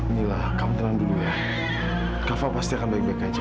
nila kamu tenang dulu ya kava pasti akan baik baik aja